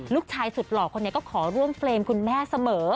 ลูกชายสุดหล่อคนนี้ก็ขอร่วมเฟรมคุณแม่เสมอ